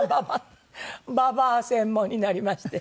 ばばあ専門になりまして。